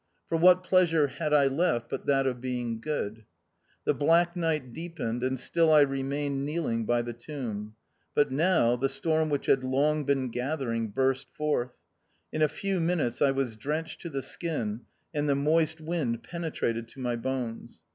For what pleasure had I left but that of being good ? The black night deepened, and still I re mained kneeling by the tomb. But now, the storm which had long been gathering, burst forth ; in a few minutes, I was drenched to the skin, and the moist wind penetrated to my bones.